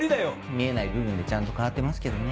見えない部分でちゃんと変わってますけどね。